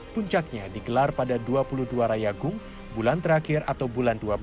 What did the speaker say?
puncaknya digelar pada dua puluh dua rayagung bulan terakhir atau bulan dua belas